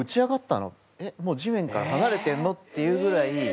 もう地面から離れてるの？」っていうぐらい。